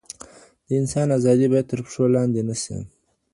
د انسان ازادي باید تر پښو لاندي نه سي.